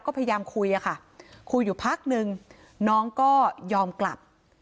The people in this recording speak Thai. ก็พยายามคุยอะค่ะคุยอยู่พักนึงน้องก็ยอมกลับ